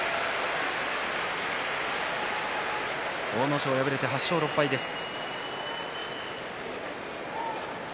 阿武咲、敗れて８勝６敗です。